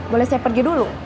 boleh saya pergi dulu